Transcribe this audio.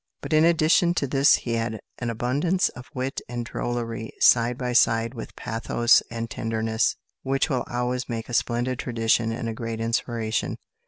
But in addition to this he had an abundance of wit and drollery side by side with pathos and tenderness, which will always make a splendid tradition and a great inspiration.